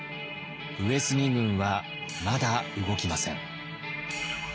上杉軍はまだ動きません。